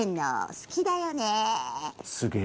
好きだよねー。